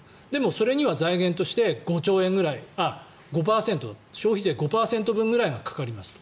それには財源として消費税５％分ぐらいがかかりますと。